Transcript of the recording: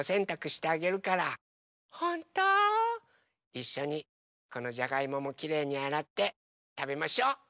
いっしょにこのじゃがいももきれいにあらってたべましょう。